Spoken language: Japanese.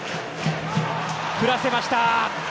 振らせました！